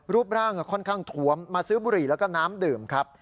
รูปร่างค่อนข้างถวมมาซื้อบุหรี่แล้วก็น้ำดื่มครับ